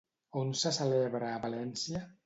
On se celebra a València?